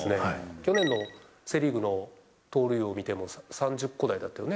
去年のセ・リーグの盗塁王見ても、３０個台だったよね？